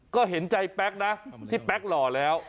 ก็เห็นใจแป๊กนะที่แป๊กหล่อแล้ว